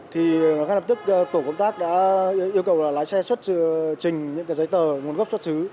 thì ngay lập tức tổ công tác đã yêu cầu lái xe xuất trình những giấy tờ nguồn gốc xuất xứ